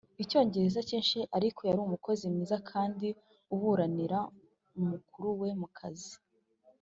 Icyongereza cyinshi ariko yari umukozi mwiza kandi ubanirana n umukuru we mu kazi